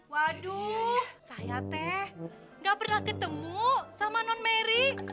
waduh saya teh gak pernah ketemu sama non mary